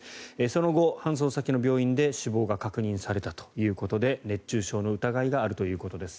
その後、搬送先の病院で死亡が確認されたということで熱中症の疑いがあるということです。